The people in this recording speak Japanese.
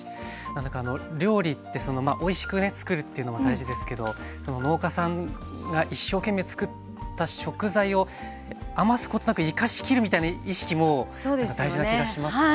何だかあの料理っておいしくねつくるというのも大事ですけど農家さんが一生懸命つくった食材を余すことなく生かしきるみたいな意識も大事な気がしますね。